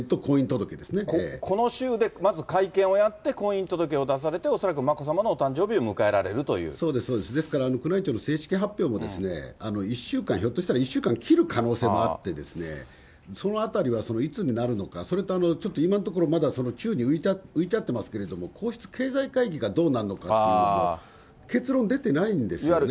この週でまず会見をやって、婚姻届を出されて、恐らく眞子さまのおそうです、そうです、ですから宮内庁の正式発表も、１週間、ひょっとしたら１週間切る可能性もあって、そのあたりはいつになるのか、それと、今のところまだ宙に浮いちゃってますけど、皇室経済会議がどうなるのかっていうのが結論出てないんですよね。